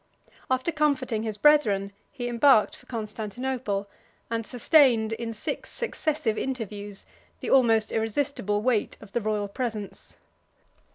After comforting his brethren, he embarked for Constantinople, and sustained, in six successive interviews, the almost irresistible weight of the royal presence.